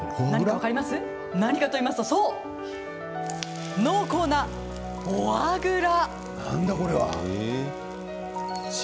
何かといいますと濃厚なフォアグラ。